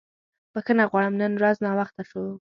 بښنه غواړم نن ورځ ناوخته شو.